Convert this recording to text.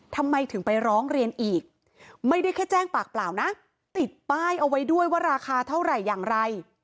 ทำไมถึงไปร้องเรียนอีกไม่ได้แค่แจ้งปากเปล่านะติดป้ายเอาไว้ด้วยว่าราคาเท่าไหร่อย่างไร